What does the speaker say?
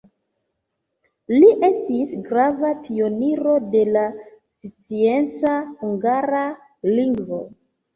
Li estis grava pioniro de la scienca hungara lingvo.